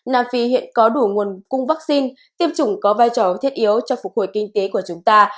nam phi hiện có đủ nguồn cung vaccine tiêm chủng có vai trò thiết yếu cho phục hồi kinh tế của chúng ta